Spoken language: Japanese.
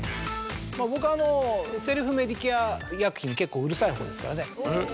僕セルフメディケア医薬品に結構うるさいほうですからね。